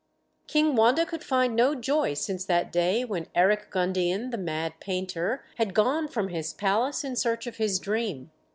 ] King Wanda could find no joy since that day when Eric Gundian, the mad painter, had gone from his palace in search of his dream.